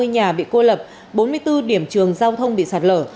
tám trăm ba mươi nhà bị cô lập bốn mươi bốn điểm trường giao thông bị sạt lở